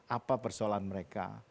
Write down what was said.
apa persoalan mereka